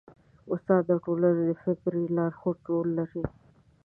استاد د ټولنې د فکري لارښودۍ رول لري.